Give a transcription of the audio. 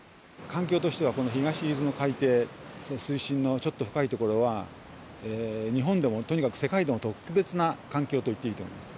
環境としてはこの東伊豆の海底その水深のちょっと深いところは日本でもとにかく世界でも特別な環境と言っていいと思います。